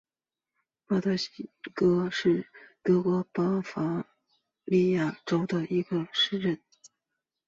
巴德菲辛格是德国巴伐利亚州的一个市镇。